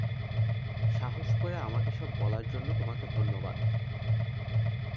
সাহস করে আমাকে সব বলার জন্য তোমাকে ধন্যবাদ।